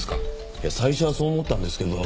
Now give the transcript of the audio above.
いや最初はそう思ったんですけど